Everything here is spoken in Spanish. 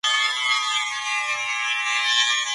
¿hubieses tú vivido?